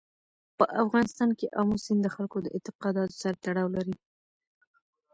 په افغانستان کې آمو سیند د خلکو د اعتقاداتو سره تړاو لري.